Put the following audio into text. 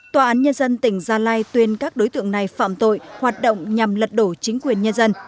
tòa án nhân dân tỉnh gia lai tuyên các đối tượng này phạm tội hoạt động nhằm lật đổ chính quyền nhân dân